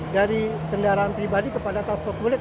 dari kendaraan pribadi kepada transport publik